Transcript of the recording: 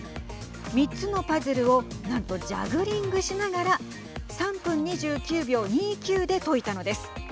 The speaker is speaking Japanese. ３つのパズルをなんとジャグリングしながら３分２９秒２９で解いたのです。